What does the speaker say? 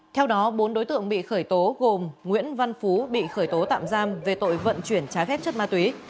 theo đó bốn đối tượng bị khởi tố gồm nguyễn văn phú bị khởi tố tạm giam về tội vận chuyển trái phép chất ma túy